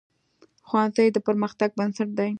ښوونځی د پرمختګ بنسټ دی